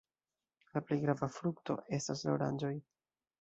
La plej grava frukto estas la oranĝoj.